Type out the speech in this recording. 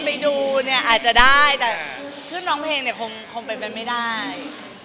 คุณคุณคุณกันไป